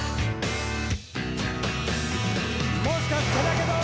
「もしかしてだけど」